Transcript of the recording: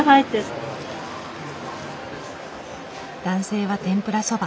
男性は天ぷらそば。